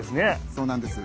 そうなんです。